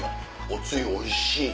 おつゆおいしい。